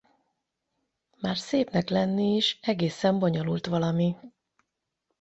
Már szépnek lenni is egészen bonyolult valami.